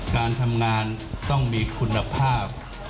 การทำงานต้องมีคุณภาพ